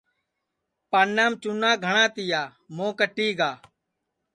پانام چُونا گھٹؔا یا موھ کٹی گا